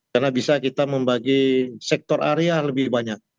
karena bisa kita membagi sektor area lebih banyak